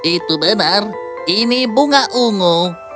itu benar ini bunga ungu